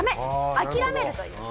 諦めるという。